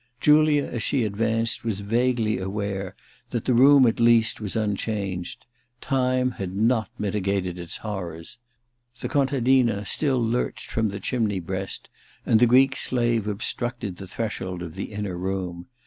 Julia, as she advanced, was vaguely aware that the room at least was un changed : time had not mitigated its horrors. The contadina still lurched from the chimney breast, and the Greek slave obstructed the threshold of the inner room.